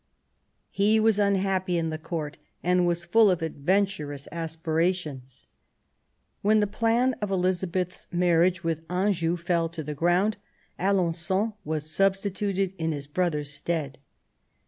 He was unhappy in the Court, and was full of adventurous aspirations. When the plan of Elizabeth's marriage with Anjou fell to the THE ALENQON MARRIAGE. 165 ground, Alengon was substituted in his brother's stead.